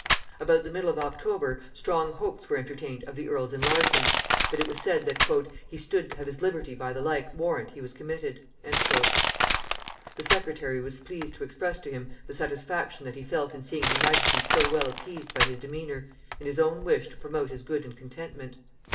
About the middle of October strong hopes were entertained of the earls enlargement; but it was said that "he stood to have his liberty by the like warrant he was committed." The secretary was pleased to express to him the satisfaction that he felt in seeing her majesty so well appeased by his demeanor, and his own wish to promote his good and contentment.